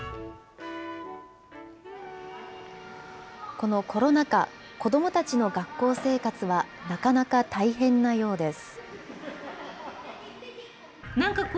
このコロナ禍、子どもたちの学校生活は、なかなか大変なようです。